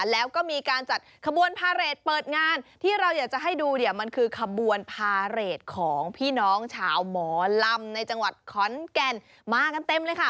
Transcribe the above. แล้วก็มีการจัดขบวนพาเรทเปิดงานที่เราอยากจะให้ดูเนี่ยมันคือขบวนพาเรทของพี่น้องชาวหมอลำในจังหวัดขอนแก่นมากันเต็มเลยค่ะ